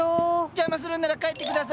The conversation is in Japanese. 邪魔するんなら帰ってください。